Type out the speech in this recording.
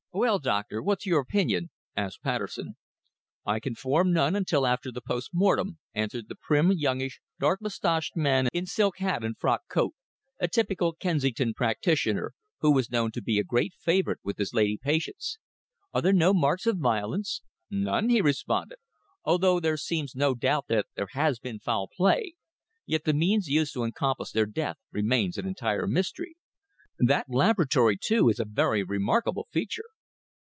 "Well, doctor, what's your opinion?" asked Patterson. "I can form none until after the post mortem," answered the prim, youngish, dark moustached man in silk hat and frock coat, a typical Kensington practitioner, who was known to be a great favourite with his lady patients. "Are there no marks of violence?" "None," he responded. "Although there seems no doubt that there has been foul play, yet the means used to encompass their death remains an entire mystery. That laboratory, too, is a very remarkable feature."